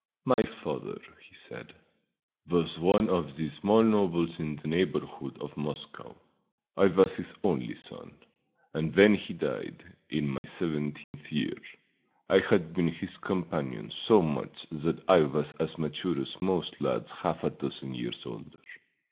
"My father," he said, "was one of the small nobles in the neighborhood of Moscow. I was his only son, and when he died, in my seventeenth year, I had been his companion so much that I was as mature as most lads half a dozen years older.